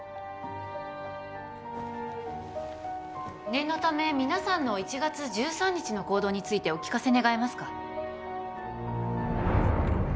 念のため皆さんの１月１３日の行動についてお聞かせ願えますか？